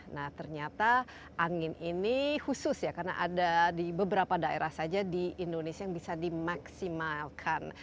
nah ternyata angin ini khusus ya karena ada di beberapa daerah saja di indonesia yang bisa dimaksimalkan